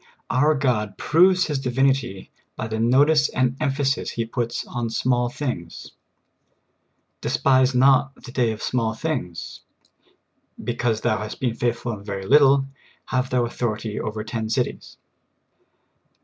Our God proves His Divinity bj^ the notice and em phasis He puts on small things. *' Despise not the day of small things. "" Because thou hast been faith ful in a very little, have thou authority over ten cities."